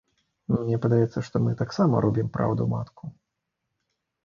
Мне падаецца, што мы таксама рубім праўду-матку.